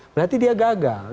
berarti dia gagal